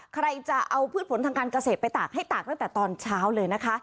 ใครจะเอาพืชผลทางการเกษตรไปตากให้ตากตั้งแต่ตอนเช้าเลยนะคะ